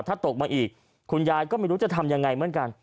ถ้าตกมาอีกคุณยายก็ไม่รู้จะทำยังไงเหมือนกัน